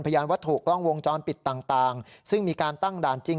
ยานวัตถุกล้องวงจรปิดต่างซึ่งมีการตั้งด่านจริง